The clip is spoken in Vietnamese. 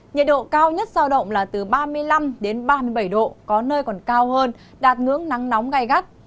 nhiệt độ cao nhất giao động là từ ba mươi năm đến ba mươi bảy độ có nơi còn cao hơn đạt ngưỡng nắng nóng gai gắt